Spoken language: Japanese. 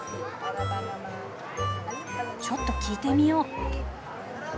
ちょっと聞いてみよう。